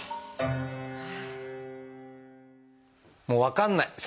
「もう分かんない！